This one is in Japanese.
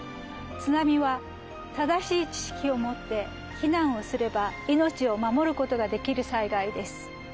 津波は正しい知識を持って避難をすれば命を守る事ができる災害です。